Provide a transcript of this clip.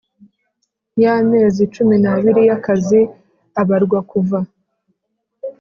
Y amezi cumi n abiri y akazi abarwa kuva